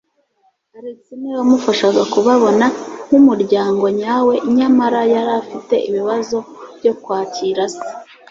Alex niwe wamufashaga kubabona nkumuryango nyawe, nyamara yari afite ibibazo byo kwakira se.